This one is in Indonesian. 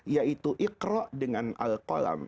yaitu ikhraq dengan alqolam